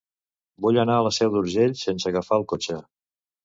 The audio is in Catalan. Vull anar a la Seu d'Urgell sense agafar el cotxe.